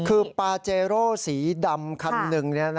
คือปาเจโร่สีดำคันหนึ่ง